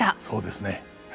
そうですね。